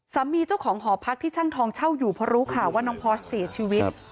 เจ้าของหอพักที่ช่างทองเช่าอยู่เพราะรู้ข่าวว่าน้องพอร์สเสียชีวิต